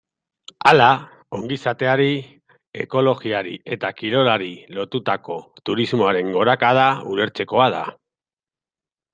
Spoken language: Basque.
Hala, ongizateari, ekologiari eta kirolari lotutako turismoaren gorakada ulertzekoa da.